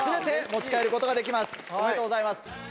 おめでとうございます。